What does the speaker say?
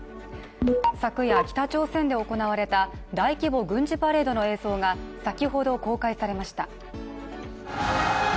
昨夜、北朝鮮で行われた大規模軍事パレードの映像が先ほど公開されました。